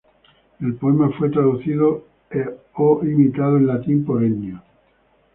El poema fue traducido o imitado en latín por Ennio.